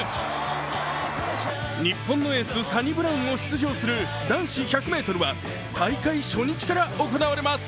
日本のエース、サニブラウンも出場する男子１００ｍは大会初日から行われます。